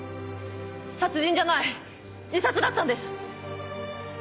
殺人じゃない自殺だったんです！